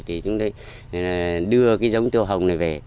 thì chúng tôi đưa cái giống tiêu hồng này về